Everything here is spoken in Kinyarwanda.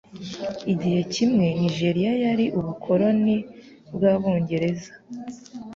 Igihe kimwe Nigeriya yari ubukoloni bwabongereza.